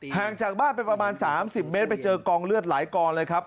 ห่างจากบ้านไปประมาณ๓๐เมตรไปเจอกองเลือดหลายกองเลยครับ